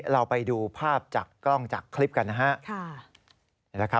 เราไปดูภาพจากกล้องจากคลิปกันนะครับ